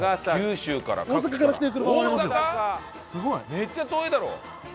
めっちゃ遠いだろ？